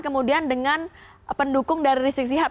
kemudian dengan pendukung dari rizik sihab